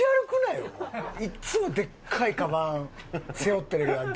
いつもでっかいかばん背負ってるけど。